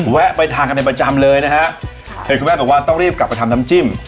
แวะไปทานกันเป็นประจำเลยนะฮะคือคุณแม่บอกว่าต้องรีบกลับไปทำน้ำจิ้ม